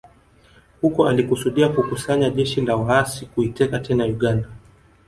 Huko alikusudia kukusanya jeshi la waasi kuiteka tena Uganda